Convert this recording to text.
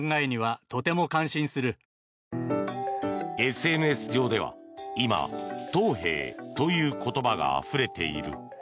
ＳＮＳ上では今、トウヘイという言葉があふれている。